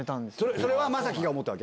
それは昌暉が思ったわけ？